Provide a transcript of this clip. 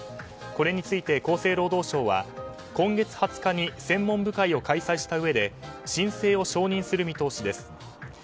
これについて、厚生労働省は今月２０日に専門部会を開催したうえで申請を承認する見通しです。